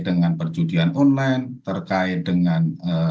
dengan perjudian online terkait dengan